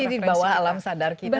jadi mungkin ini dibawa alam sadar kita